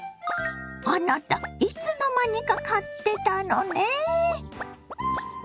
あなたいつの間にか買ってたのね。